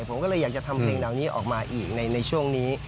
ผมก็เลยอยากจะทำเพลงเหล่านี้ออกมาอีกในช่วงนี้